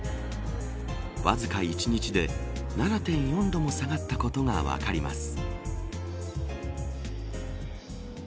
わずか１日で、７．４度も下がったことが分かります。